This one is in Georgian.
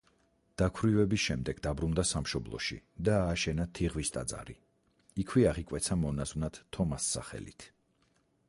დაქვრივების შემდეგ დაბრუნდა სამშობლოში და ააშენა თიღვის ტაძარი, იქვე აღიკვეცა მონაზვნად თომას სახელით.